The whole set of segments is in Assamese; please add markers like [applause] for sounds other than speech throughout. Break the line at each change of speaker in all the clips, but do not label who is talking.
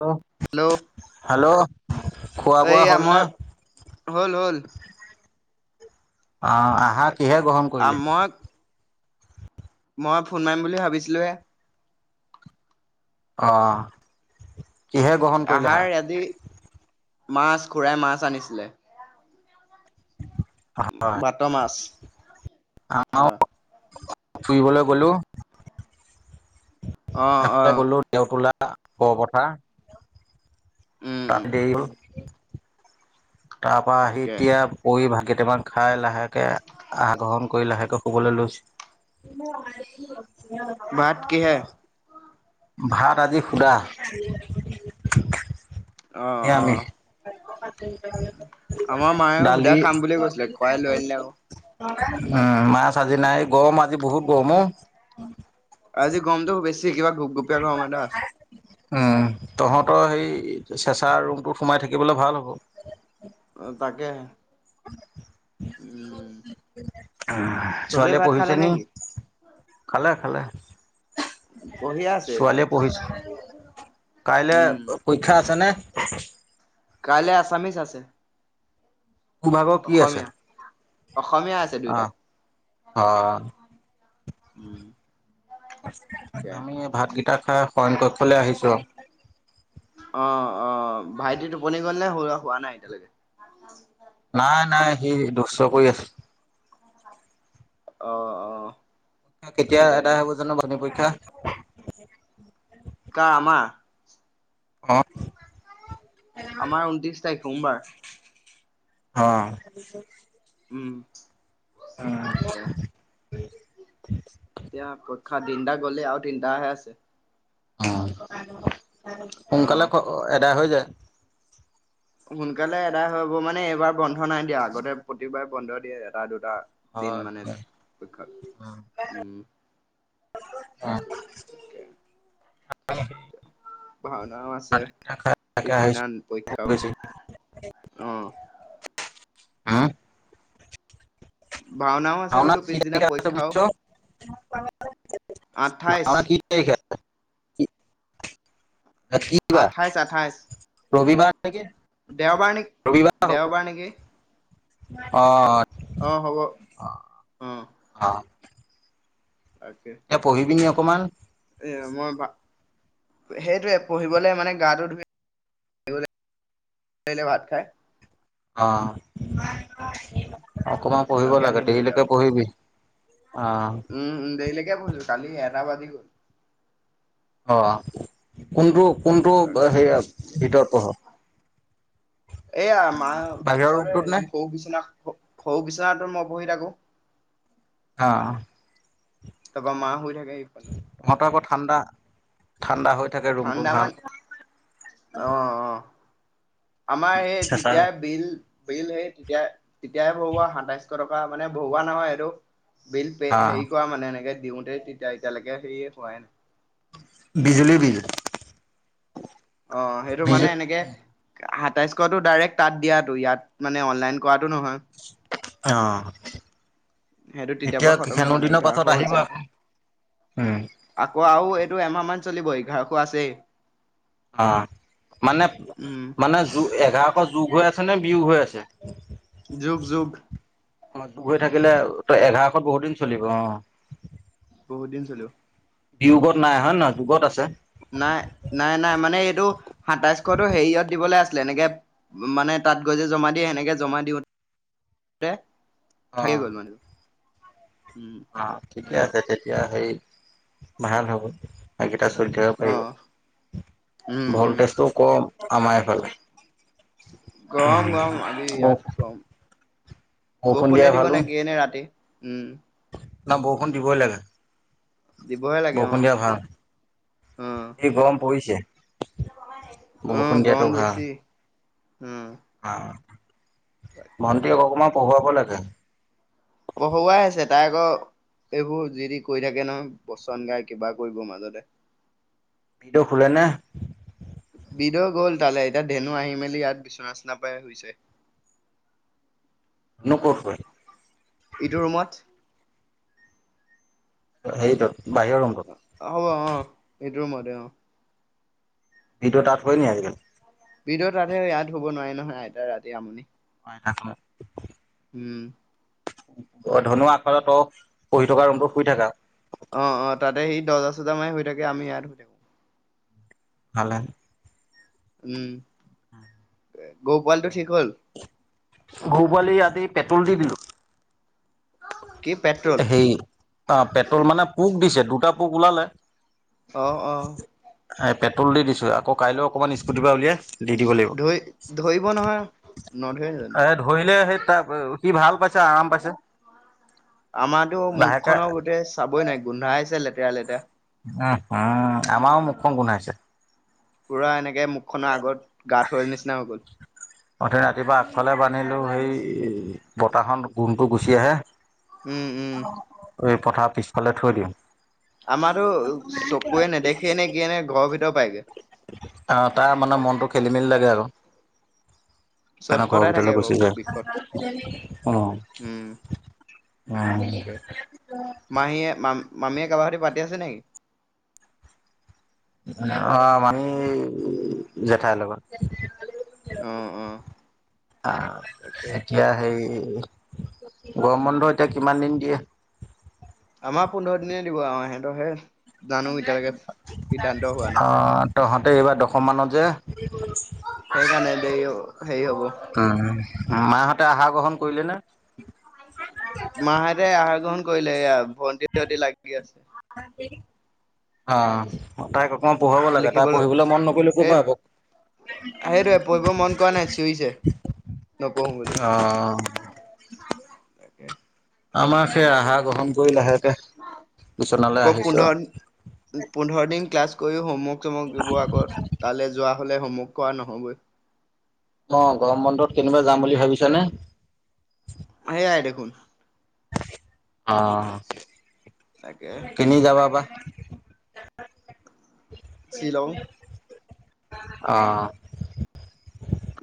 হেল্ল',
হেল্ল'
- হেল্ল', খোৱা বোৱা
এইয়া
হ'লনে?
মই হল - হল।
অ, আহা কিহে গ্ৰহণ কৰিলে।
মই মই ফোন মাৰিম বুলি ভাবিছিলো?
অহ, কিহে গ্ৰহণ কৰিলে আহাৰ।
মাছ খুৰাই মাছ আনিছিলে।
হয়
বাত মাছ হয়
তুইবলৈ গলো।
অ অ
এপ্লাই কৰিলো দেওতলা কপথাৰ
উম উম
তাকেই তাৰ পৰা আহি
তাকে
এতিয়া পৰি ভাগ কেইটামান খাই লাহেকে আহ গ্ৰহণ কৰি লাহেকৈ শুবলৈ লৈছ।
ভাত কিহে।
ভাত আজি সুধা।
অহ - অহ। আমাৰ মায়ে সুধা
দালি
খাম বুলিয়ে কৈছিলে খুৱাই লৈ আনিলে আৰু।
উম, মাছ আজি নাই গৰম আজি বহুত গৰমো।
কিা গুপ গুপীয়া গ ম দ [unintelligible]
উম তহঁতৰ সেই চেঁচা ৰুমটো সোমাই থাকিবলে ভাল হ'ব।
অ, তাকে। চবেই
ছোৱালীয়ে
ভাত খালে
পঢ়িছে নি।
নেকি
খালে - খালে।
পঢ়িয়ে আছে
ছোৱালীয়ে পঢ়িছো কাইলৈ
উম
পৰীক্ষা আছে নে। [unintelligible]
কাইলৈ আছামিছ আছে।
তোমাকৰ কি আছে।
অসমীয়া অসমীয়া আছে
অ
দুয়টাই।
হয় আমি ভাত গ টাশা সয়নকক্ষলৈ আহিচো আৰু।
অ - অ ভাইটি টোপনি গল নে হোৱা নাই এতিয়ালৈকে
নাই - নাই সি দুখ চ কৰি আছে।
অ - অ।
পৰীক্ষা কেতিয়া
তাকে
এদাই হব জো বনী পৰীক্ষা
ক আমাৰ।
অহ ',
আমাৰ ঊনত্ৰিশ তাৰিখ সোমবাৰ।
হ
উম, তাকে।
উম,
এতিয়া পৰীক্ষা তিনটা গ'লে আৰু তিনটাহে আছে।
অ',
অ
সোনকালে আদায় হৈ যায়।
সোনকালে এদাই হ'ব মানে এইবাৰ বন্ধ নাই দিয়া, আগতে প্ৰতিবাৰে বন্ধ দিয়ে এটা দু টা দিন
হয়
মানে
হয়
[unintelligible] উম।
[unintelligible] উম। [unintelligible]
ভাওনাও আছে পিছদিনা পৰীক্ষাও অ
[unintelligible] হম
ভাওনাও আছে বোলো
ভাওনাৰ কি।
পিছদিনা পৰীক্ষাও
[unintelligible] [unintelligible]
আঠাইশ
ভাওনা কেই তাৰিখে? কি
আঠাইছ, আঠাইছ।
[unintelligible] ৰবিবাৰে হ'ব,
দেওবাৰ নেকি
অ' অ'।
অ', হ'ব, উম।
অ'। তই পঢ়িবিনে অকণমান?
এ মই সেইটোৱে পঢ়িবলৈ মানে গাটো ধুই [unintelligible] তাই এতিয়া ভাত খায়।
অ'। অকমান পঢ়িব
তাকে
লাগে,
আহিলো এতিয়া
দেইলিকে পঢ়িবি, অ'।
উম উম দেৰিলৈকে পঢ়িলো [unintelligible]
অ', কোনটো কোনটো অ'
তাকে
হেৰিৰ ভিতৰত পৰহ।
এইয়া, মা
নে
ওচৰতে সৰু বিচনা, সৰু বিচনাটোত মই পঢ়ি থাকোঁ।
অ'।
তাৰপৰা মা শুই থাকে এইফালে।
তহঁতৰ আকৌ ঠাণ্ডা, ঠাণ্ডা হৈ থাকে ৰূমটো
ঠাণ্ডা
ভাল।
মান অ অ আমাৰ সেই
চেঁচা
তেতিয়াই বিল বিল সেই তেতিয়া তেতিয়াই ভৰোৱা সাতাইশ টকা মানে ভৰোৱা নহয়, এইটো বিল পে
অ',
হেৰি কৰা মানে এনেকে দিওঁতে তেতিয়া, এতিয়ালৈকে হেৰি হোৱাই নাই।
বিজুলী বিল।
অ', সেইটো মানে
বিজু
এনেকে সাতাইশটো ডাইৰেক্ট তাত দিয়াটো, ইয়াত মানে অনলাইন কৰাটো নহয়।
অ',
সেইটো তেতিয়াৰ
এতিয়া
পৰা খতমে হোৱা
[unintelligible]
নাই
দিনৰ
এঘাৰশ
পাছত আহিবা।
হৈছেগে। আকৌ আৰু এইটো এমাহমান চলিবই এঘাৰশ আছেই।
অ', মানে,
উম
মানে যোগ এঘাৰশ যোগ হৈ আছে। নে বিয়োগ হৈ আছে?
যোগ, যোগ।
অ', যোগ হৈ থাকিলে এঘাৰশত বহুত দিন চলিব অ'।
বহুত দিন চলিব।
বিয়োগত নাই অহা নহয়, যোগত আছে?
নাই নাই নাই মানে যেনেকে মানে তাত গৈ যে জমা দিয়ে, সেনেকে জমা দিওঁ তে থাকি
অ',
গ'ল মানে। উম
অ', ঠিকে আছে, তেতিয়া সেই ভাল হ'ব [unintelligible] চলি থাকিব
অ
পাৰিব,
উম উম
ভ'ল্টেজটো কম আমাৰ এইফালে।
গৰম, গৰম আজি
ব
ইয়াত গৰম।
বৰষুণ দিয়া
বৰষুণে দিব নে কিয়ে নে ৰাতি! উম।
ন বৰষুণ দিবই লাগে।
দিবহে লাগে অ
বৰষুণ দিয়া ভাল,
অ
এই গৰম পৰিছে।
উম,
বৰষুণ দিয়াটো
গৰম
ভাল
বেছি, উম।
ভণ্টিক অকণমান পঢ়ুৱাব লাগে।
পঢ়ুৱাই আছে তাই আকৌ এইবোৰ যি-তি কৰি থাকে নহয়, বচন গাই কিবা কৰিব মাজতে।
ভিন্দ শুলে নে।
ভিণ্ড গ'ল তালৈ। এতিয়া ধেনু আহি মেলি ইয়াত বিচনা চিছনা পাৰি হুইছে।
[unintelligible] ন কত কৰে।
ইটো ৰুমত।
সেইটো।
অহ, হব আহ এইটো ৰূমতে অহ।
ভিডিঅ' তাত শুৱে নি আজিকালি
ভিতৰত ৰাতি ইয়াত হব নোৱাৰে নহয়। আইতা ৰাতি আমনি।
পাই থাকে।
উম।
ধুনু কাষৰ ৰূম টোত তই পঢ়ি থকা। ৰুমটো শুই থাকা
অ অ তাতে সি দৰ্জা - চৰ্যা মাৰি শুই থাকে। আমি ইয়াত শুই থাকো।
ভালে।
উম, গৰু পোৱালিটো ঠিক হ'ল।
গৰু পোৱালি আজি, পেট্ৰল দি দিলোঁ।
কি পেট্ৰল
সেই অ পেট্ৰল মানে পোক দিছে দুটা পোক ওলালে।
অহ, অহ
এই পেট্ৰল দি দিছো আক কাইলৈ অকণমান স্কুটিৰ পৰা উলিয়াই। দি, দিব লাগিব।
ধৰি ধৰিব নহয় নধৰে জানো
এ ধৰিলে সেই। [unintelligible] সি ভাল পাইছে, আৰাম পাইছে।
আমাৰতো মুখ
লাহেকে
খণ গোটেই চাবই নোৱাৰি। গোন্ধাই আছে লেতেৰা লেতেৰা।
ওহোঁ! আমাৰো মুখখন গোন্ধাইছে।
পুৰা এনেকে মুখ খনৰ আগত গা -ধোৱাৰ নিচিনা হৈ গ'ল।
অথনি ৰাতিপুৱা আগফালে বান্ধিলো সেই বতাহ ত গোন্ধ টো গুচি আহে। অ'
উম উম।
অ'! এই, পথাৰ পিছফালে থৈ দিওঁ।
আমাটো চকুুৱে নেদেখে নে, কি, এ, নে ঘৰৰ ভিতৰ পায়গে।
অ'! তাৰ মানে, মনটো খেলি-মেলি লাগে আৰু।
চট
সেইকাৰণে ঘৰৰ
পতাই থাকে
ভিতৰলৈ গুচি
আৰু
যায়
বিষত।
উম
উম,,
উম
মাহীয়ে। মামীয়ে কাৰোবা সৈতে পাতি আছে, নেকি?
অহ, মামি জেঠাইৰ লগত।
অঁ অঁ তাকে।
অহ এতিয়া হেৰি। গৰম বন্ধ এতিয়া কিমান দিন দিয়ে।
আমাৰ পোন্ধৰ দিনে দিব আৰু। সিহঁতৰহে, জানোঁ এতিয়ালৈকে, সিদ্ধান্ত হোৱা নাই।
অ', তহঁতে এইবাৰ দশমমানত যে। উম,
সেইকাৰণে দেৰি হেৰি হ'ব।
মাহঁতে আহাৰ গ্ৰহণ কৰিলেনে?
মাহঁতে আহাৰ গ্ৰহণ কৰিলে। এইয়া ভন্টি সিহঁতি লাগি আছে।
অহ, তাইক অকমান পঢ়াব লাগে। তাই
লিখিবলৈ
পঢ়িবলৈ মন নকৰিলে ক'ৰ
সেই
পৰা হ'ব।
সেইটোৱে পঢ়িব মন কৰা নাই চিঞৰিছে নপঢ়ো বুলি
[unintelligible] অহ।
তাকে।
আমাক সে আহা গ্ৰহণ কৰি লাহে।
মই পোন্ধৰ পোন্ধৰ দিন ক্লাছ। কৰিও হোমৱৰ্ক চমৱৰ্ক দিব আগত তালৈ যোৱা হলে হোমৱৰ্ক কৰা নহ'বই।
অহ, গৰম বন্ধত কেনিবা যাম বুলি ভাবিছানে।
আহিলাই দেখোন।
অহ।
তাকে
কেনি যাবা বা।
শ্বিলং
অহ।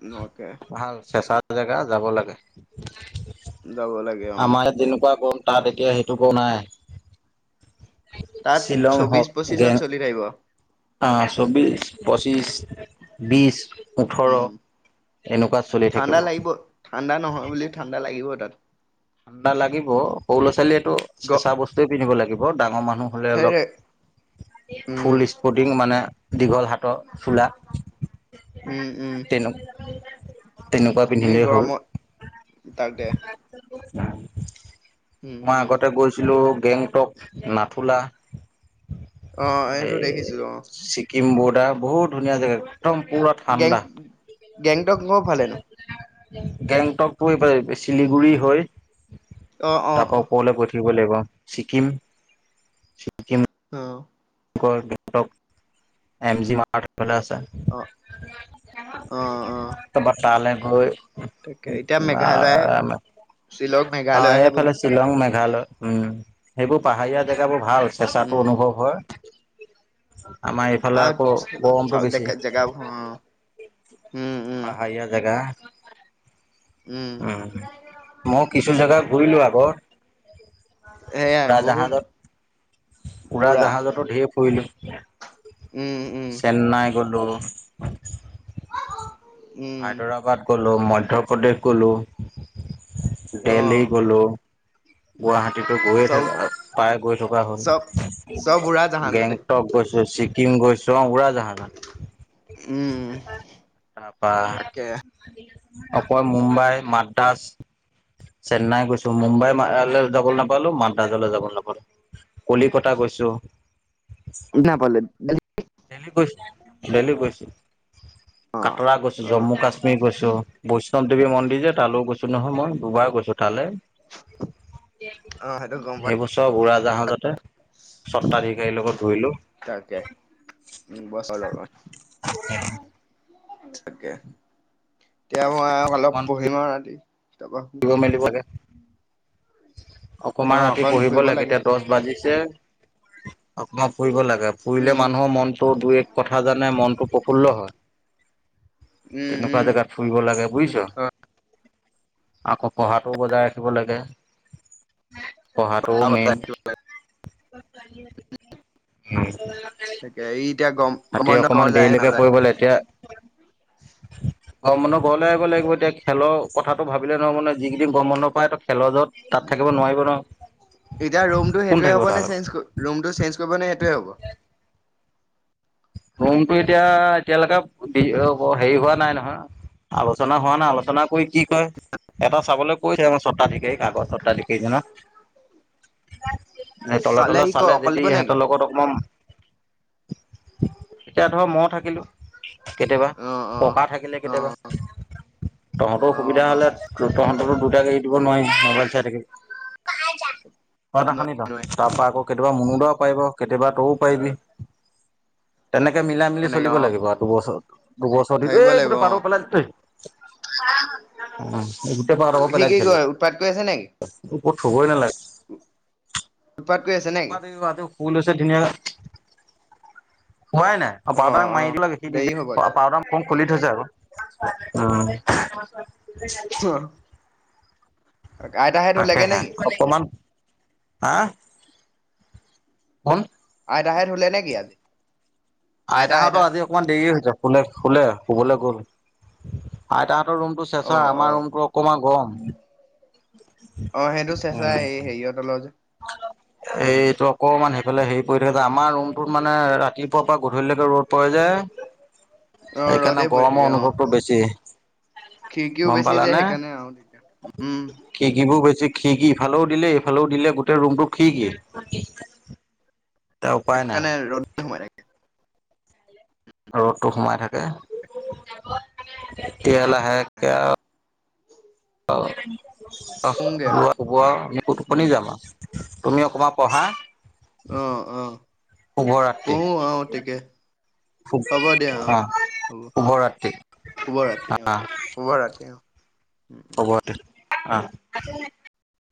নহকে।
জেগা যাব লাগে,
যাব লাগে অ
আমাৰ ইয়াত যেনেকুৱা ক তাত এতিয়া সেইটোকো নাই
তাত চৌবিশ পঁচিশত চলি থাকিব
আহ চৌবিশ, পঁচিছ, বিশ ওঠৰ
উম,
এনেকুৱা চলি
ঠাণ্ডা
থাকিব।
লাগিব ঠাণ্ডা নহয় বুলি ঠাণ্ডা লাগিব তাত [unintelligible]
ঠাণ্ডা লাগিব সৰু ল'ৰা ছোৱালীয়েতো
গ
চেঁচা বস্তুৱে পিন্ধিব লাগিব ডাঙৰ মা নুহ হ'লে অলপ
সেইৰে উম
ফোল স্পৰ্টিং মানে দীঘল হাতৰ চোলা
উম উম
তেনে তেনেকুৱা
এনেই
পিন্ধিলেই হ'ল।
গৰমত তাকে [inaudible] উম
মই
উম
আগতে গৈছিলো গেংটক, নাথোলা
অ এইটো
এই
দেখিছো অ
ছিকিম বোডাৰ বহুত ধুনীয়া জেগা একদম পুৰা ঠাণ্ডা।
গেংটকও ভালে ন।
গেংটকটো এই চিলিগুৰি হৈ
অ', অ',
তাৰ পৰা
অ',
ওপৰলৈ গৈ লাগিব ছিকিমম [inaudible]
অ',
ডেংটক এম জি মাৰ্ট [inaudible]
অ আহ আহ।
তালে গৈ
মেঘালয় শ্বিলং
অ
মেঘালয়হে বোলো
এইফালে শ্বিলং মে ঘালয়, উম সেইবোৰ পাহাৰীয়া জেগাবোৰ ভাল চেঁচাটো
উম,
অনুভৱ হয়। আমাৰ এইফালে আকৌ গৰমটো
আৰু
বেছি।
দেখা জেগা অ উম, উম,
পাহাৰীয়া জেগা। উম মই কিছু জোগা
তাকে
ঘূৰিলো আগৰ।
সেয়াই
উৰা
বহুত
জাহাজত, উৰা
পুৰা
জাহাজতো ধঢেৰ ফুৰিলো [inaudible]
উম, উম,
চেন্নাই গ'লো [unintelligible]
উম,
হায়দৰাবাদ গ'লো মধ্য প্ৰ্ৰদেশ গ'লো
অ',
দেল্লহী গ'লো গুৱাহাটী [inaudible] কিন্তু গৈয়ে
চব
থাকে প্ৰায় গৈ থকা
চব চব উৰা
হয়।
জাহাজতে
গেংটক গৈছো, ছিকিম গৈছো অ', উৰাজাহাজত [unintelligible]
উম,
তাৰপা
তাকে
আকৌ মুম্বাই মা চেন্নাই গৈছো মুম্বাই মা যাবলৈ নাপালো মাদ্ৰাজলৈ যাবল নাপালো কলিকতা গৈছো
ন পল [inaudible]
তেনে কৈ দেল্হী গৈছো,
অ',
কাটৰা গৈছো,
অ', অ',
জম্মু-কাশ্মীৰ গৈছো বচ ক দেৱী মন্দিৰ যে তালৈও গৈছো নহয় মই দুবাৰ গৈছো তালে
অ', সেইটো গম পাই
সেইবছৰ উৰা যাহাযতে সত্বাধিকাৰীৰ লগত ঘূৰিলো
তাকে [unintelligible] উ বছৰ লগত থাকে এতিয়া মই অলপ পঢ়িম আৰু ৰাতি তাৰপা
শিব মেলিিবলে [inaudible]
অ
অকমান ৰাতি
অকণ
পঢ়িব
ফুৰিব
লাগে এতিয়া দহ বাজিছে অকমান ফুৰিব লাগে ফুৰিলে
উম
মানুহৰ মনটো দুই এক কথা জানে মনটো প্ৰফুল্ল হয়।
উম
তেনেকুৱা
উম
জেগাত ফুৰিব লাগে বুজিছ। আকৌ পঢ়াটোও বজাই ৰাখিব লাগে পঢ়াটোও মেইন [unintelligible] উম'
তাকে ই এতিয়া গম গম
তাকে
বন্ধত
অকমান
ঘৰ যায়
দেৰিলৈকে
নাযায়
পঢ়িব তেতিয়া অ', মন ঘৰলে আহিব লাগিব এতিয়া খেলৰ কথাটো ভাবিলে নহ মানে যিকেইদিন গৰম মন্ধ পায় তো খেলৰ যত তাত থাকিব নোৱাৰিব ন।
এতিয়া ৰুমটো সেইটোৱে হ'ব নে চেঞ্জ কৰি, ৰুমটো চেঞ্জ কৰিব নে সেইটোৱে হ'ব?
ৰুমতো এতিয়া এতিয়ালৈকে হেৰি হোৱা নাই নহয়। আলোচনা হোৱা নাই আলোচনা কৰি কি কয়, এটা চাবলৈ কৈছে এওঁ চত্বাধিকাৰী কাগজ চত্বাধিকাৰীজনক। তল তলত
সি ক
চালে
অকলে দিব
যদি
নেকি
সিহঁতৰ লগত অকমান। এতিয়া ধৰ ম থাকিলো। কেতিয়াবা,
অ অ
পকা থাকিলে
অ
কেতিয়াবা। তহঁতৰ
অ
সুবিধা হ'লে, তহঁততো দুইটা গাড়ী দিব নোৱাৰি। ম'বাইল চাই থাকিবি। চা তা খানি তই? তাৰ পৰা আকৌ কেতিয়াবা মুনোদা পাৰিব। কেতিয়াবা তও পাৰিবি, তেনেকে মিলাই মিলি
সেনেকে অ
চলিব লাগিব আৰু দুবছৰ। দুবছৰ দি
থাকিব
এই
লাগিব
গোটেই
অ
বাডাল পেলাই দি এই, চা খাওঁক [unintelligible] উ। গোটেই পাৰক
সি কি কয় উৎপাত কৰি আছে নেকি
পেলাইছিলোত থবই নালাগে।
চুপাৰ ত গৈ আছে নে?
ফুল আছে ধুনীয়াক হোৱাই নাই আৰু
অ
পাৰউদাক
অ
মাৰি দিলেখি দি
দেৰি হ'ব
পাউদাম'' পুলি থৈছা অ'ক, উ।
তেতিয়াহ'লে আইতাহে
তাকে
ধুলেগে
হে।
নেকি
বৰ্তমান হাঁ, কোন?
আইতাহঁত শুলে নে কি আজি? আইতা
আইতাহতো
আইতা
আজি অকমান দেৰি হৈছে শুলে, শুলে। শুবলৈ গ'ল। আইতা ৰুমটো
অ
চেচা
অ
আমাৰ ৰুমটো অকণমান গৰম।
অ', সেইটো চেঁচা এ, হেৰিয় তলত।
এইটো অকমান সেইফালে হেৰি পৰি থাক যা। আমাৰ ৰুমত মানে মানে ৰাতিপুৱাৰ পৰা গধূলিলৈকে ৰ'দ পৰে যে।
অ ৰ'দে
সেইকাণে
পৰি থাকে
গৰমৰ
অ
অনুভৱটো বেছি।
খিৰিকীও
গম
বেছি যে
পালানে!
সেইকাৰণে আৰু তেতিয়া উম
কি কিব কৈ খিৰিকি ইফালেও, দিলে সিফালেও দিলে, গোটেই ৰুমটো খিৰিকি।
সেইকাৰানে ৰ'দ সমাই থাকে।
ৰ'দটো সোমাই থাকে। তেতিয়া লাহেকে
তাকে
আও ও
শুংগে আও
শুব টোপনি
উম
যাম আৰু তুমি অকমান পঢ়া
অ', অ', পঢ়ো অ', তিকে।
অঁ শুভ ৰাত্ৰি।
শুভ ৰাত্ৰি অঁ, শুভ ৰাত্ৰি অঁ।
হ'ব দে। অ'।